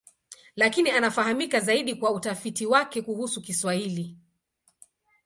Lakini anafahamika zaidi kwa utafiti wake kuhusu Kiswahili.